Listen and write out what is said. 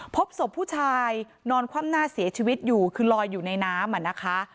พบศพผู้ชายนอนคว่ำหน้าเสียชีวิตอยู่คือลอยอยู่ในน้ำอ่ะนะคะ